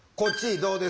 そうです。